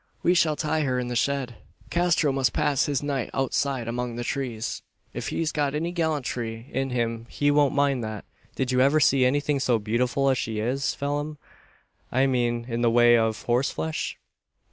We shall tie her in the shed. Castro must pass his night outside among the trees. If he's got any gallantry in him he won't mind that. Did you ever see anything so beautiful as she is, Phelim I mean in the way of horseflesh?"